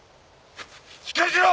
しっかりしろ！